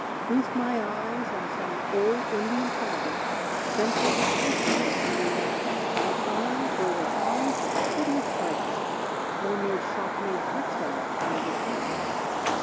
Feast my eyes on some old Indian fabric, Centuries of culture went to weave, And I grow the fine fastidious artist, No mere shop made textile can deceive.